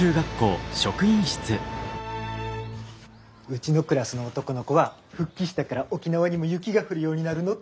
うちのクラスの男の子は「復帰したから沖縄にも雪が降るようになるの？」